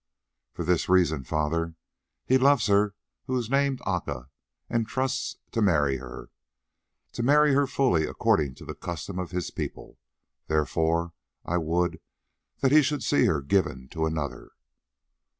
"For this reason, father; he loves her who is named Aca, and trusts to marry her, to marry her fully according to the custom of his people: therefore I would that he should see her given to another."